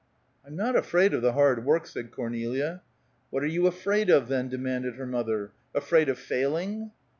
"I'm not afraid of the hard work," said Cornelia. "What are you afraid of, then?" demanded her mother. "Afraid of failing?"